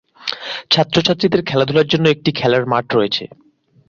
ছাত্র-ছাত্রীদের খেলাধুলার জন্য একটি খেলার মাঠ রয়েছে।